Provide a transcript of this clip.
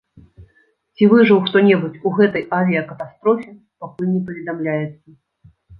Ці выжыў хто-небудзь у гэтай авіякатастрофе, пакуль не паведамляецца.